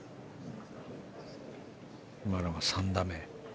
今のが３打目。